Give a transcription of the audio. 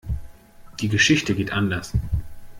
Die Geschichte geht anders.